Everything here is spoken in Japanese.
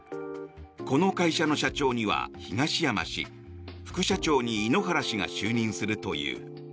この会社の社長には東山氏副社長に井ノ原氏が就任するという。